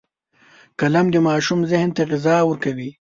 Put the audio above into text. قلم د ماشوم ذهن ته غذا ورکوي